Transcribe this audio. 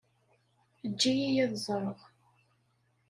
Eǧǧ-iyi ad ẓreɣ.